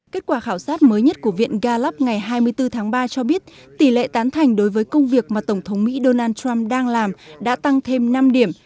kết quả khảo sát mới nhất của viện gallup ngày hai mươi bốn tháng ba cho biết tỷ lệ tán thành đối với công việc mà tổng thống mỹ donald trump đang làm đã tăng thêm năm điểm